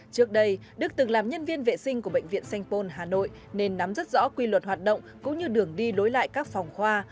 trước đây đức từng làm nhân viên vệ sinh của bệnh viện sanh pôn hà nội nên nắm rất rõ quy luật hoạt động cũng như đường đi lối lại các phòng khoa